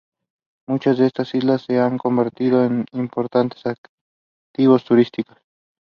The only exception was Thomas Luther Davies (Aberaman).